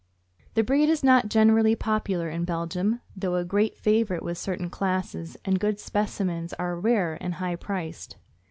The breed is not generally popular in Belgium, though a great favorite with certain classes, and good specimens are rare and high priced.